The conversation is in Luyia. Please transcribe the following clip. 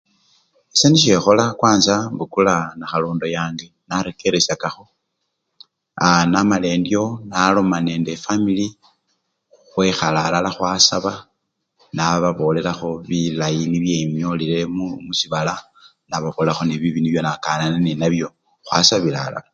Ese nisyo ekhola kwanza embukula nakhalondo yange narekeresyakakho aa! namala endyo naloma nende efwamili khwekhala alala khwasaba nababolelakho bilayi nibye enyolile mu! musibala nababolelakho nebibi nibyo nakanane nenabyo khwasabila alala.